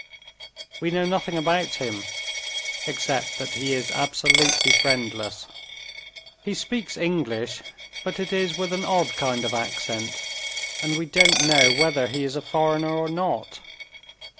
We know nothing about him, except that he is absolutely friendless. He speaks English but it is with an odd kind of accent and we don't know whether he is a foreigner or not.